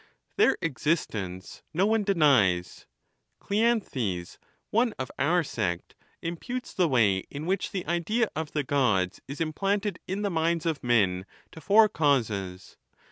V. Their existence no one denies. Cleanthes, one of our sect, imputes the way in which the idea of the Gods is im planted in the minds of men to four causes.